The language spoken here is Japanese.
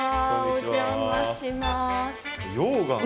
お邪魔します。